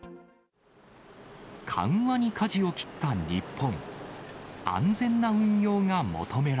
緩和にかじを切った日本。